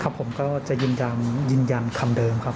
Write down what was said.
ครับผมก็จะยืนยันคำเดิมครับ